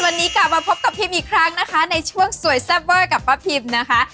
วันนี้กลับมาพบกับพิมอีกครั้งนะคะในช่วงสวยแซ่บเวอร์กับป้าพิมนะคะ